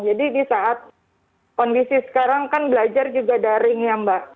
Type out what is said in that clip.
jadi di saat kondisi sekarang kan belajar juga daring ya mbak